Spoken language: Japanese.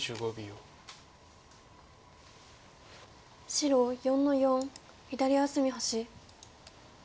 白４の四左上隅星。